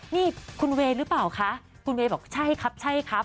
นี่คุณเวย์หรือเปล่าคะคุณเวย์บอกใช่ครับใช่ครับ